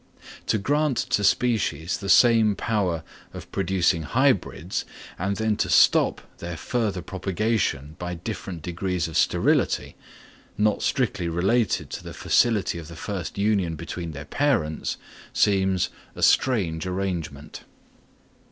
To grant to species the special power of producing hybrids, and then to stop their further propagation by different degrees of sterility, not strictly related to the facility of the first union between their parents, seems a strange arrangement.